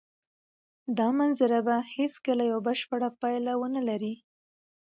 دا مناظره به هېڅکله یوه بشپړه پایله ونه لري.